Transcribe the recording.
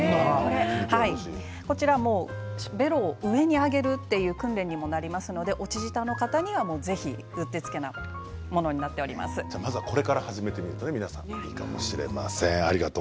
こちらはベロを上に上げる訓練にもなりますので落ち舌の方にはぜひうってつけなものにまずこれから始めてみるといいかもしれません。